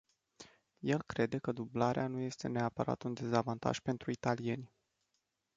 El crede că dublarea nu este neapărat un dezavantaj pentru italieni.